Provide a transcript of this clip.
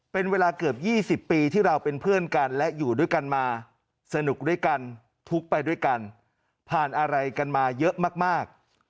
เป็นเวลาเกือบ๒๐ปีที่เราเป็นเพื่อนกันและอยู่ด้วยกันมาสนุกด้วยกันทุกข์ไปด้วยกันผ่านอะไรกันมาเยอะมาก